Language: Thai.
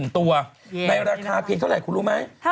๑ตัวในราคาเพียงเท่าไหร่คุณรู้ไหม